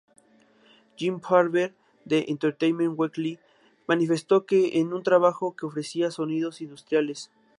Jim Farber de "Entertainment Weekly", manifestó que fue un trabajo que ofrecía "sonidos industriales".